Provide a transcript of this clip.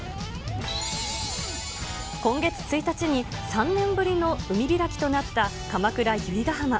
今月１日に、３年ぶりの海開きとなった鎌倉・由比ガ浜。